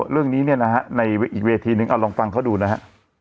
เรื่องนี้เนี่ยนะฮะในอีกเวทีนึงเอาลองฟังเขาดูนะฮะ